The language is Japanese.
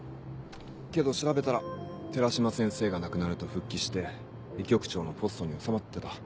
けど調べたら寺島先生が亡くなると復帰して医局長のポストに収まってた。